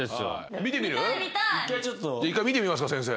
一回見てみますか先生。